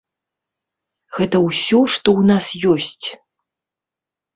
Гэта ўсё, што ў нас ёсць.